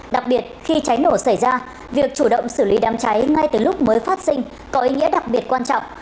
đặc biệt khi cháy nổ xảy ra việc chủ động xử lý đám cháy ngay từ lúc mới phát sinh có ý nghĩa đặc biệt quan trọng